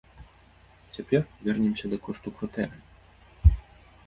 Цяпер вернемся да кошту кватэры.